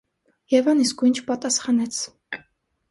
Եվան իսկույն չպատասխանեց: